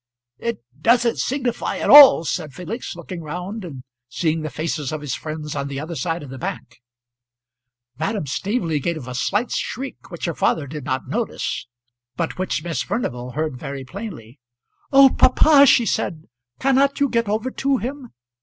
"It doesn't signify at all," said Felix, looking round and seeing the faces of his friends on the other side of the bank. Madeline Staveley gave a slight shriek which her father did not notice, but which Miss Furnival heard very plainly. "Oh papa," she said, "cannot you get over to him?"